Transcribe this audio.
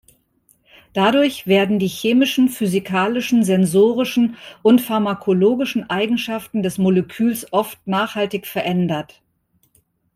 Dadurch werden die chemischen, physikalischen, sensorischen und pharmakologischen Eigenschaften des Moleküls oft nachhaltig verändert.